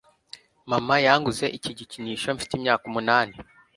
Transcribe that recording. Mama yanguze iki gikinisho mfite imyaka umunani